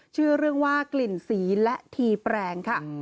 ชื่อเรื่องว่ากลิ่นสีและทีแปลงค่ะ